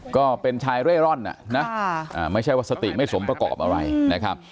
ก็เป็นชายเร่ร่อนไม่ใช่ว่าสติไม่สมประกอบอะไรนะครับ